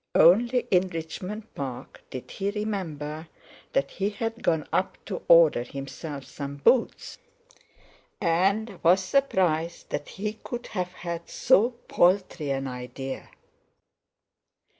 Only in Richmond Park did he remember that he had gone up to order himself some boots, and was surprised that he could have had so paltry an idea.